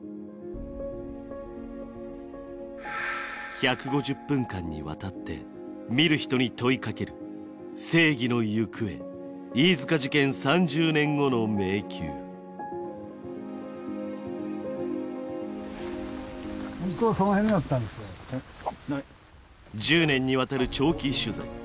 １５０分間にわたって見る人に問いかける１０年にわたる長期取材。